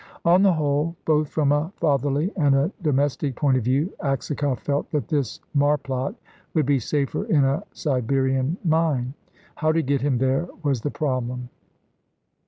On the whole, both from a fatherly and a domestic point of view, Aksakoff felt that this marplot would be safer in a Siberian mine. How to get him there was the problem.